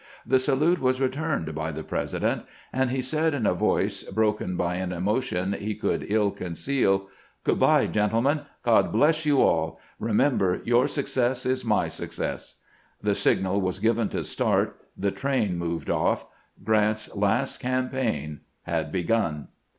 The salute was returned by tbe President, and lie said in a voice broken by an emotion he could ill conceal: "Good by, gentlemen. God bless you all! Remember, your success is my success." The signal was given to start; the train moved off; Grant's last campaign had begun.